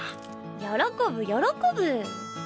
喜ぶ喜ぶ。